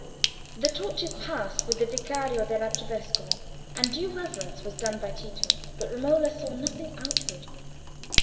The torches passed, with the Vicario dell' Arcivescovo, and due reverence was done by Tito, but Romola saw nothing outward.